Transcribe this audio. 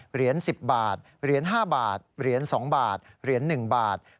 เหรียญ๑๐บาทเหรียญ๕บาทเหรียญ๒บาทเหรียญ๑บาท